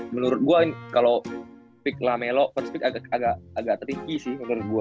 menurut gue kalo pick lamelo first pick agak agak agak tricky sih menurut gue